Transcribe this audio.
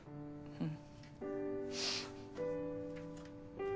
うん。